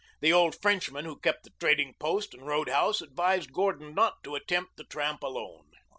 The old Frenchman who kept the trading post and roadhouse advised Gordon not to attempt the tramp alone.